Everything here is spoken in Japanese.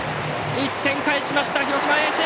１点返しました、広島・盈進！